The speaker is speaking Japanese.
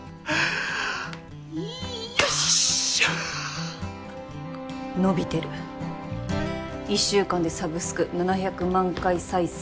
いーよっしゃーっ伸びてる一週間でサブスク７００万回再生